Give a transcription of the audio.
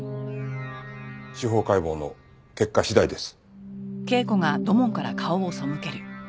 司法解剖の結果次第です。